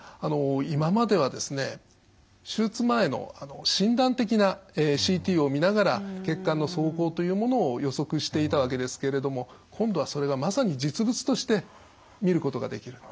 今まではですね手術前の診断的なＣＴを見ながら血管の走行というものを予測していたわけですけれども今度はそれがまさに実物として見ることができる。